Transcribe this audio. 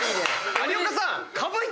有岡さん。